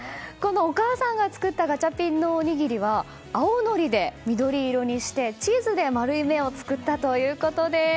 お母さんが作ったガチャピンのおにぎりは青のりで緑色にして、チーズで丸い目を作ったということです。